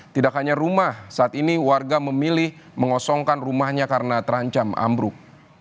tidak hanya rumah saat ini warga memilih mengosongkan rumahnya karena terancam ambruk